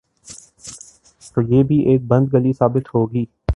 تو یہ بھی ایک بند گلی ثابت ہو گی۔